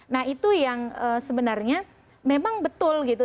nah itu yang sebenarnya memang betul gitu